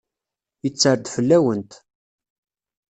Yetter-d fell-awent.